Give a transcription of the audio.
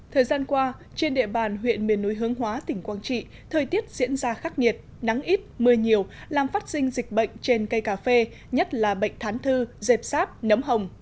thời gian qua trên địa bàn huyện miền núi hướng hóa tỉnh quang trị thời tiết diễn ra khắc nghiệt nắng ít mưa nhiều làm phát sinh dịch bệnh trên cây cà phê nhất là bệnh thán thư dẹp sáp nấm hồng